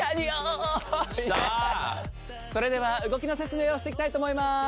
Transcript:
それでは動きの説明をしてきたいと思いまーす